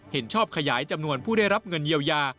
เห็นชอบขยายจำนวนผู้ได้รับเงินเยียวยา